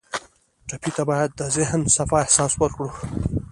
ټپي ته باید د ذهن صفا احساس ورکړو.